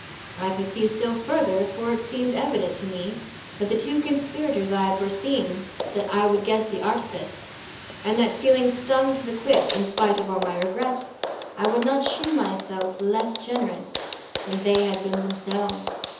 I could see still further, for it seemed evident to me that the two conspirators had foreseen that I would guess the artifice, and that, feeling stung to the quick, in spite of all my regrets, I would not shew myself less generous than they had been themselves.